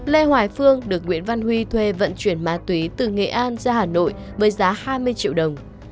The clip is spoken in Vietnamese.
lê hoài phương được nguyễn văn huy thuê vận chuyển ma túy từ nghệ an ra hà nội với giá hai mươi triệu đồng